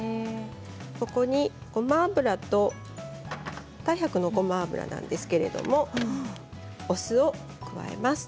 ここにごま油と太白ごま油なんですけれどもお酢を加えます。